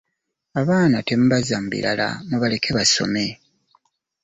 Abaana temubazza mu birala mubaleke basome.